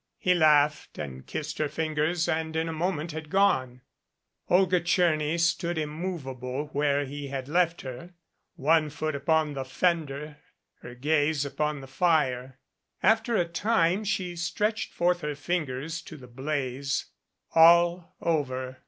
He laughed and kissed her fingers, and in a moment had gone. Olga Tcherny stood immovable where he had left her, one foot upon the fender, her gaze upon the fire. After a time she stretched forth her fingers to the blaze. All over!